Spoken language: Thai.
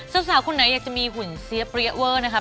สาวคนไหนอยากจะมีหุ่นเสียเปรี้ยเวอร์นะครับ